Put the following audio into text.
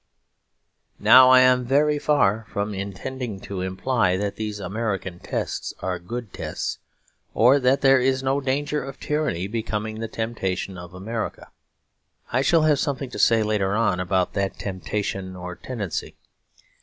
Now I am very far from intending to imply that these American tests are good tests, or that there is no danger of tyranny becoming the temptation of America. I shall have something to say later on about that temptation or tendency.